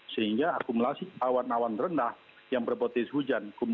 sehingga akumulasi awan awan rendah yang berpotensi hujan